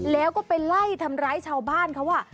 แล้วก็ไปไล่ทำร้ายชาวบ้านเขา